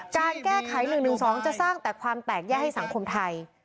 การแก้ไข๑๑๒จะสร้างแต่ความแตกแยกให้สังคมไทย